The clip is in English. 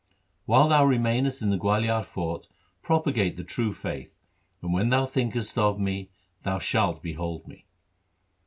4 'While thou remainest in the Gualiar fort propagate the true faith, and, when thou thinkest of me, thou shalt behold me.'